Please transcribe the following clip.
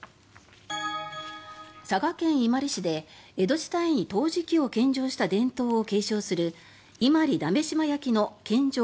佐賀県伊万里市で江戸時代に陶磁器を献上した伝統を継承する伊万里鍋島焼の献上